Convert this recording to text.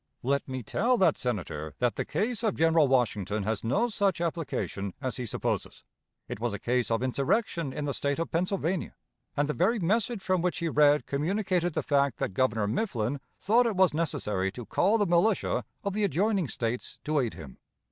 Let me tell that Senator that the case of General Washington has no such application as he supposes. It was a case of insurrection in the State of Pennsylvania; and the very message from which he read communicated the fact that Governor Mifflin thought it was necessary to call the militia of the adjoining States to aid him.